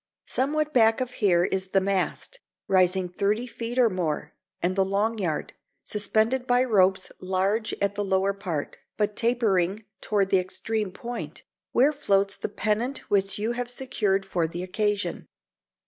Somewhat back of here is the mast, rising thirty feet or more, and the long yard, suspended by ropes, large at the lower part, but tapering toward the extreme point, where floats the pennant which you have secured for the occasion.